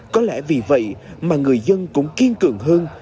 có lẽ vì vậy mà người dân cũng kiên cường hơn